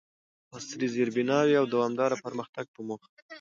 عصري زیربناوو او دوامداره پرمختګ په موخه،